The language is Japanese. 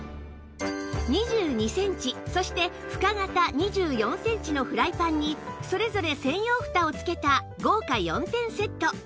２２センチそして深型２４センチのフライパンにそれぞれ専用ふたを付けた豪華４点セット